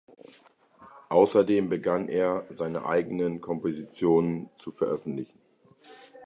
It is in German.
Außerdem begann er, seine eigenen Kompositionen zu veröffentlichen.